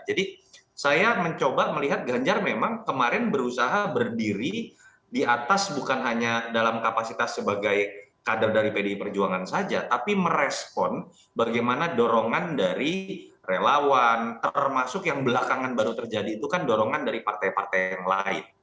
jadi saya mencoba melihat ganjar memang kemarin berusaha berdiri di atas bukan hanya dalam kapasitas sebagai kader dari pdi perjuangan saja tapi merespon bagaimana dorongan dari relawan termasuk yang belakangan baru terjadi itu kan dorongan dari partai partai yang lain